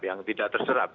yang tidak terserap